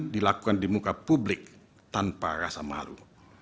dilakukan di muka publik tanpa rasa malu